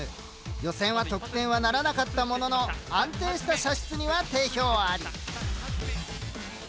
予選は得点はならなかったものの安定した射出には定評あり。